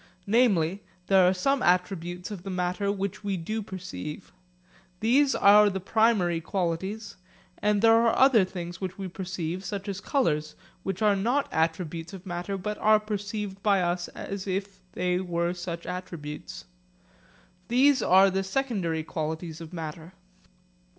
Namely, there are some attributes of the matter which we do perceive. These are the primary qualities, and there are other things which we perceive, such as colours, which are not attributes of matter, but are perceived by us as if they were such attributes. These are the secondary qualities of matter.